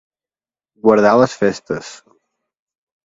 Guardar les festes.